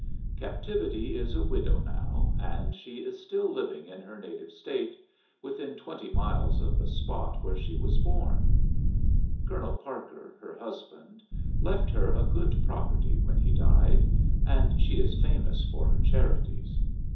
Captivity is a widow now, and she is still living in her native State, within twenty miles of the spot where she was born. Colonel Parker, her husband, left her a good property when he died, and she is famous for her charities.